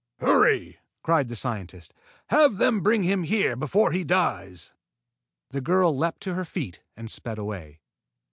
"Hurry!" cried the scientist. "Have them bring him here before he dies." The girl leaped to her feet and sped away.